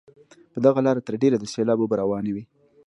په دغه لاره تر ډېره د سیلاب اوبه روانې وي.